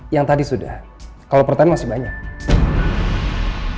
yang tadi sudah kalau pertanian masih banyak